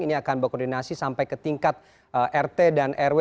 ini akan berkoordinasi sampai ke tingkat rt dan rw